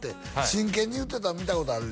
「真剣に言うてたの見たことある」